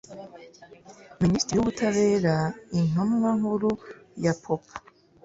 minisitiri w ubutabera intumwa nkuru ya popo